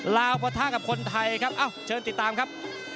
ลาวปะทะกับคนไทยครับเอ้าเชิญติดตามครับ